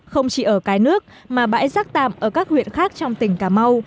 không chỉ ở cái nước mà bãi rác tạm ở các huyện khác trong tỉnh cà mau